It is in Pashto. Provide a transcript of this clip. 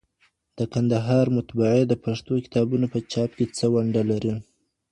د کندهار مطبعې د پښتو کتابونو په چاپ کي څه ونډه لري؟